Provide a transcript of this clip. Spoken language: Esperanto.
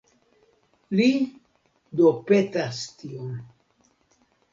Li do petas tion.